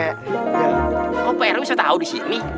oh pak rw bisa tahu di sini